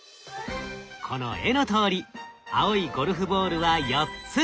この絵のとおり青いゴルフボールは４つ。